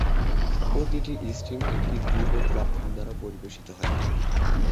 প্রতিটি সিস্টেম একটি দ্বীপ প্ল্যাটফর্ম দ্বারা পরিবেশিত হয়।